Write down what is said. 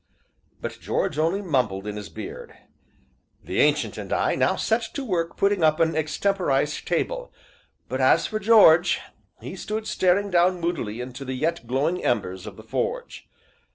But George only mumbled in his beard. The Ancient and I now set to work putting up an extemporized table, but as for George, he stood staring down moodily into the yet glowing embers of the forge.